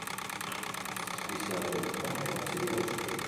Sedizio delitua egotzi die guztiei.